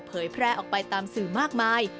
แพร่ออกไปตามสื่อมากมาย